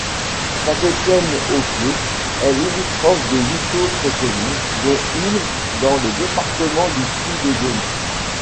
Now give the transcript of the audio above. Saint-Étienne-aux-Clos est limitrophe de huit autres communes, dont une dans le département du Puy-de-Dôme.